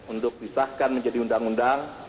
untuk disahkan menjadi undang undang